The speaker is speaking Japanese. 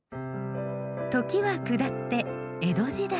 時は下って江戸時代。